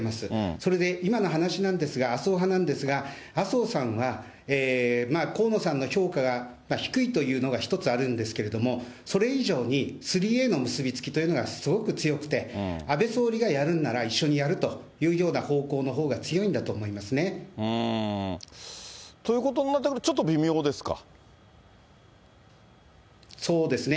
それで、今の話なんですが、麻生派なんですが、麻生さんは、河野さんの評価が低いというのが一つあるんですけれども、それ以上にスリーＡの結びつきというのが、すごく強くて、安倍総理がやるなら一緒にやるというような方向のほうが強いんだということになってくると、そうですね。